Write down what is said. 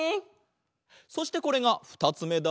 そしてこれがふたつめだ。